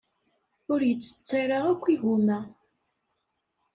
Ur yettett ara akk igumma.